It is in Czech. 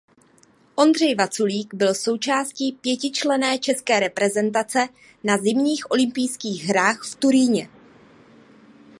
Ondřej Vaculík byl součástí pětičlenné české reprezentace na Zimních olympijských hrách v Turíně.